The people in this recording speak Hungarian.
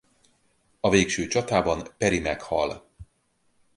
A végső csatában Peri meghal.